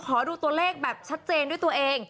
ขอดูตัวเลขแบบชัดเจนด้วยตัวเอง